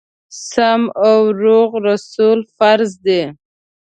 سم او روغ رسول فرض دي.